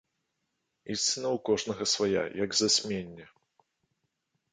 Ісціна ў кожнага свая, як зацьменне!